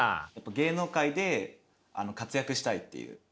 芸能界で活躍したいっていう。